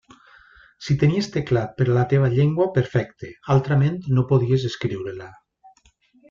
Si tenies teclat per a la teva llengua, perfecte; altrament no podies escriure-la.